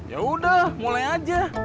yaudah mulai aja